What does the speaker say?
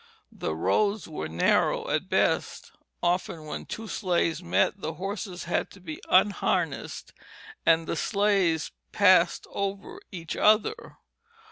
The roads were narrow at best; often when two sleighs met the horses had to be unharnessed, and the sleighs lifted past over each other.